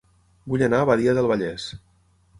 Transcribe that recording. Vull anar a Badia del Vallès